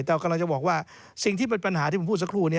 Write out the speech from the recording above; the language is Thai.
แต่กำลังจะบอกว่าสิ่งที่เป็นปัญหาที่ผมพูดสักครู่นี้